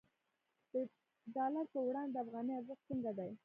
د ډالر پر وړاندې د افغانۍ ارزښت څنګه دی؟